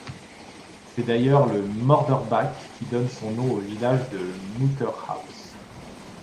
C'est d'ailleurs le Moderbach qui donne son nom au village de Mouterhouse.